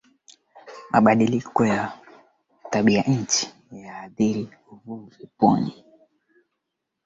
mabadiliko ya jiolojia yanaweza kusababisha tetemeko la ardhi